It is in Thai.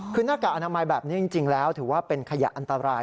คือหน้ากากอนามัยแบบนี้จริงแล้วถือว่าเป็นขยะอันตราย